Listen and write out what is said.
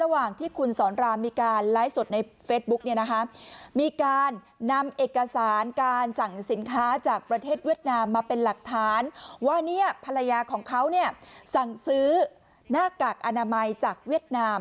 ว่าภรรยาของเขาสั่งซื้อหน้ากากอนามัยจากเวียดนาม